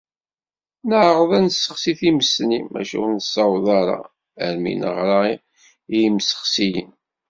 Neεreḍ ad nessexsi times-nni, maca ur nessaweḍ ara. Armi neɣra i imsexsiyen.